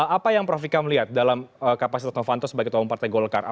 apa yang prof sikam melihat dalam kapasitas novanto sebagai tuan partai gol karsita